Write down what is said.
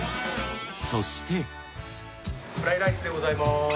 そしてフライライスでございます。